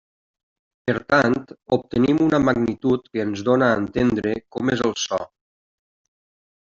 Per tant, obtenim una magnitud que ens dóna a entendre com és el so.